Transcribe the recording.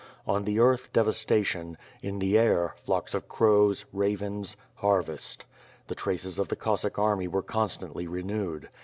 On the earth devastation; in the air, flocks of crows, ravens, ^harvest. The traces of the Cossack army were constantly renewed.